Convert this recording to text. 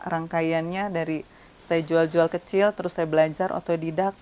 rangkaiannya dari saya jual jual kecil terus saya belajar otodidak